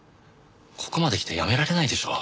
ここまで来てやめられないでしょ？